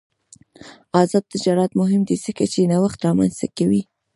آزاد تجارت مهم دی ځکه چې نوښت رامنځته کوي.